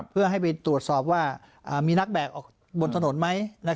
เพื่อให้ไปตรวจสอบว่ามีนักแบกออกบนถนนไหม